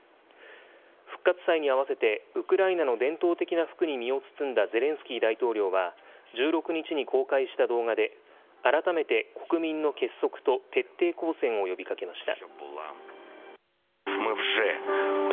復活祭に合わせて、ウクライナの伝統的な服に身を包んだゼレンスキー大統領は、１６日に公開した動画で、改めて国民の結束と徹底抗戦を呼びかけました。